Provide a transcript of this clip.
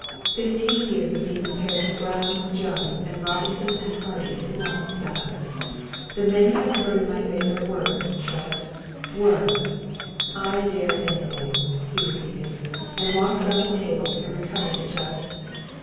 Fifteen years of being compared to Brown, Jones and Robinson and Hardy is enough, madam. The men you have thrown in my face are worms, Charlotte, worms. I dare anything," he repeated, and walked round the table and recovered the jug.